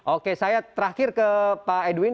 oke saya terakhir ke pak edwin